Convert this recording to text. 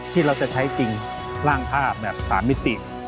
ที่เราจะใช้จริงร่างภาพแบบ๓มิติ